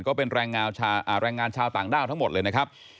ก็เป็นแรงงานชาวต่างด้าวทั้งหมดเลยนะครับ